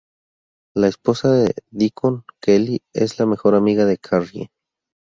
La esposa de Deacon, Kelly, es la mejor amiga de Carrie.